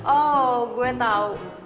oh gue tau